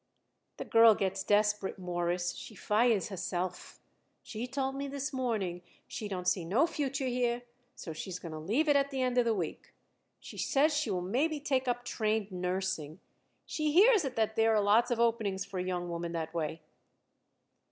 "The girl gets desperate, Mawruss. She fires herself. She told me this morning she don't see no future here, so she's going to leave at the end of the week. She says she will maybe take up trained nursing. She hears it that there are lots of openings for a young woman that way."